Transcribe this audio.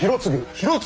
広次。